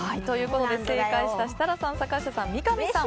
正解した設楽さん、坂下さん三上さん